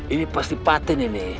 ini pasti paten ini